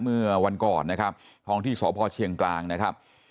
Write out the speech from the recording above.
เมื่อวันก่อนนะครับท้องที่สพเชียงกลางนะครับ